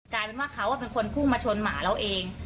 กลายเป็นว่าเขาเป็นคนพุ่งมาชนหมาเราเอง